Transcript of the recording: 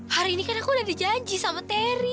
hari ini kan aku udah dijanji sama terry